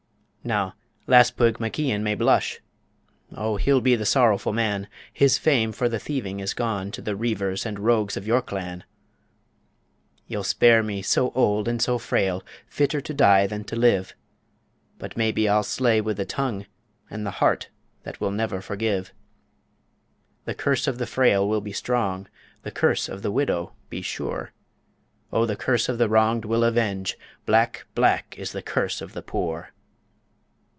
Now, Laspuig Maclan may blush Oh! he'll be the sorrowful man His fame for the thieving is gone To the reivers and rogues of your clan You'll spare me "so old and so frail, Fitter to die than to live?" But maybe I'll slay with the tongue And the heart that will never forgive The curse of the frail will be strong, The curse of the widow be sure; O the curse of the wrong'd will avenge, Black, black is the curse of the poor!